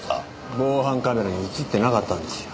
防犯カメラに映ってなかったんですよ。